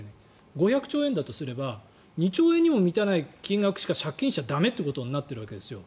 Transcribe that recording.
５００兆円だとすれば２兆円にも満たない金額しか借金しちゃ駄目となってるわけですよ。